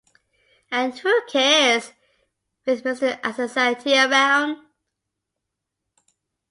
And who cares, with Mr. Assante around?